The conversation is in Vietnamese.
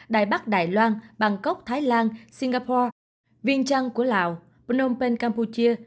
đài bắc đài loan bangkok thái lan singapore viên trăn của lào phnom penh campuchia